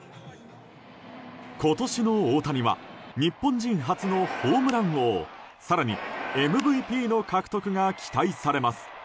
今年の大谷は日本人初のホームラン王更にＭＶＰの獲得が期待されます。